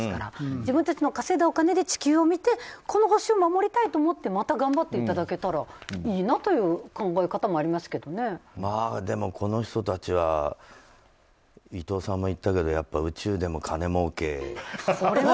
自分たちが稼いだお金で地球を見てこの星を守りたいと思ってまた頑張っていただけたらいいなという考え方もでも、この人たちは伊藤さんも言ってたけど宇宙でも金もうけ。